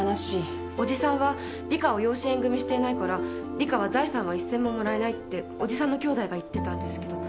おじさんはリカを養子縁組みしていないからリカは財産は一銭ももらえないっておじさんの兄妹が言ってたんですけど